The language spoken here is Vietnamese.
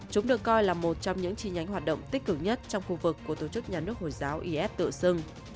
chúng được coi là một trong những chi nhánh hoạt động tích cực nhất trong khu vực của tổ chức nhà nước hồi giáo is tự xưng